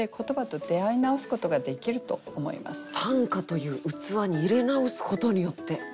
「短歌という器に入れ直すことによって」。